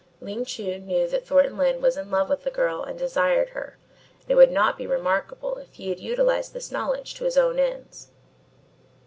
Ling Chu knew that Thornton Lyne was in love with the girl and desired her, and it would not be remarkable if he had utilised his knowledge to his own ends.